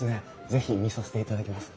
是非見させていただきます。